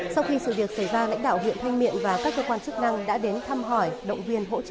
sau khi sự việc xảy ra lãnh đạo huyện thanh miện và các cơ quan chức năng đã đến thăm hỏi động viên hỗ trợ